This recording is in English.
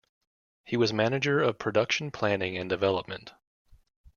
He was manager of production planning and development.